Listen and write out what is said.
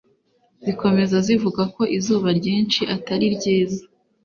zikomeza zivuga ko izuba ryinshi atari ryiza